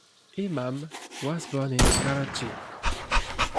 Imam was born in Karachi.